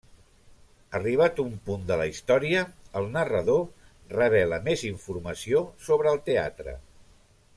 Arribat un punt de la història, el narrador revela més informació sobre el teatre.